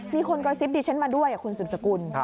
มีคนกระซิบดิฉันมาด้วยคุณสืบสกุล